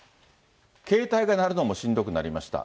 携帯が鳴るのもしんどくなりました。